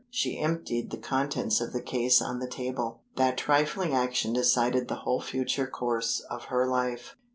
She emptied the contents of the case on the table. That trifling action decided the whole future course of her life.